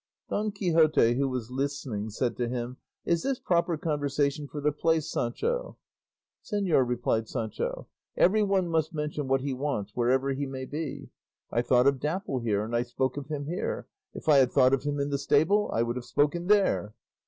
Don Quixote, who was listening, said to him, "Is this proper conversation for the place, Sancho?" "Señor," replied Sancho, "every one must mention what he wants wherever he may be; I thought of Dapple here, and I spoke of him here; if I had thought of him in the stable I would have spoken there."